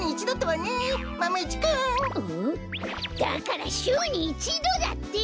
だからしゅうに１どだって！